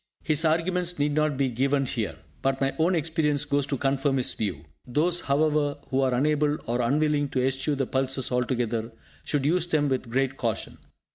His arguments need not be given here, but my own experience goes to confirm his view. Those, however, who are unable or unwilling to eschew the pulses altogether, should use them with great caution.